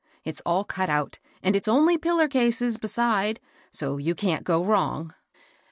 It's all cut out, and it's only piller cases, besides ; so you can't go wrong."